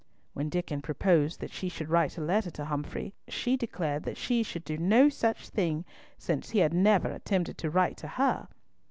When Diccon proposed that she should write a letter to Humfrey, she declared that she should do no such thing, since he had never attempted to write to her.